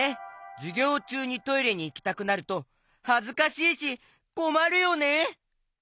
じゅぎょうちゅうにトイレにいきたくなるとはずかしいしこまるよね！